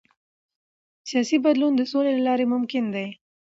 سیاسي بدلون د سولې له لارې ممکن دی